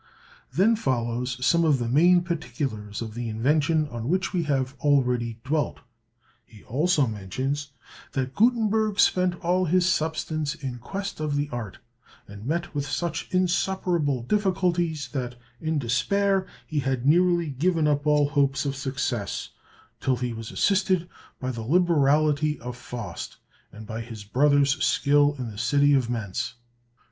Then follows some of the main particulars of the invention on which we have already dwelt. He also mentions that "Gutenberg spent all his substance in quest of the art, and met with such insuperable difficulties, that, in despair, he had nearly given up all hopes of success, till he was assisted by the liberality of Faust, and by his brother's skill in the city of Mentz."